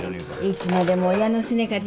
いつまでも親のすねかじっちゃって。